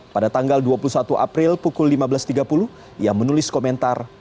pada tanggal dua puluh satu april pukul lima belas tiga puluh ia menulis komentar